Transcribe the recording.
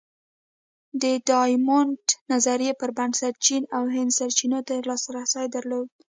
د ډایمونډ نظریې پر بنسټ چین او هند سرچینو ته لاسرسی درلود.